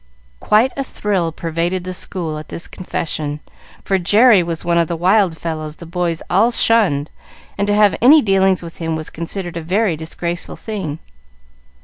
Quite a thrill pervaded the school at this confession, for Jerry was one of the wild fellows the boys all shunned, and to have any dealings with him was considered a very disgraceful thing.